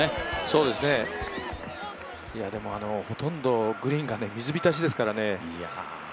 そうですね、でもほとんどグリーンが水浸しですからね。